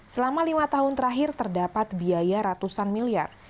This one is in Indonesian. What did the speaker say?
selama lima tahun terakhir terdapat biaya ratusan miliar